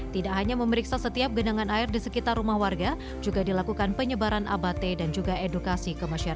tidak hanya memeriksa setiap genangan air di sekitar rumah warga juga dilakukan penyebaran abate dan juga edukasi ke masyarakat